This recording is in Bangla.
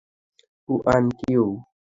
কু আন কিউ।